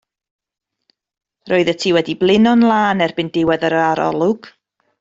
Roeddet ti wedi blino'n lân erbyn diwedd yr arolwg.